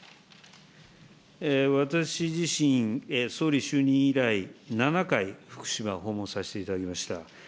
私自身、総理就任以来７回、福島を訪問させていただきました。